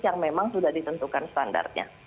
yang memang sudah ditentukan standarnya